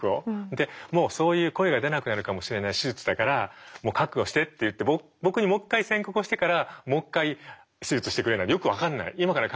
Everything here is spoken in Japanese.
でもうそういう声が出なくなるかもしれない手術だから覚悟してって言って僕にもう一回宣告をしてからもう一回手術してくれなんてよく分かんない今から考えると。